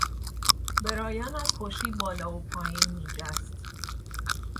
برایان از خوشی بالا و پایین میجست.